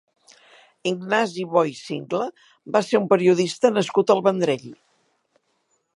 Ignasi Bo i Singla va ser un periodista nascut al Vendrell.